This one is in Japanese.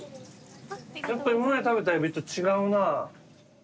やっぱ今まで食べたエビと違うな。